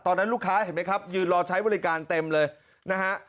ตอนนั้นลูกค้าเห็นไหมครับยืนรอใช้บริการเต็มเลยนะฮะ